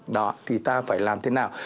đó thì ta phải làm thế nào